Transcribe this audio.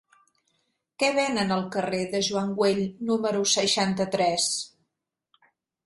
Què venen al carrer de Joan Güell número seixanta-tres?